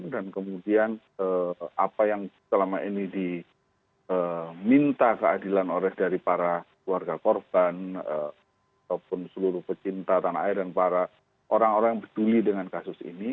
dan kemudian apa yang selama ini diminta keadilan oleh dari para keluarga korban ataupun seluruh pecinta tanah air dan para orang orang yang peduli dengan kasus ini